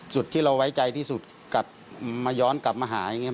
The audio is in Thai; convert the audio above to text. จุดที่เราไว้ใจที่สุดกลับมาย้อนกลับมาหาอย่างนี้